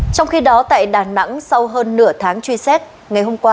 trong khi đó tại đà nẵng sau hơn nửa tháng truy xét ngày hôm qua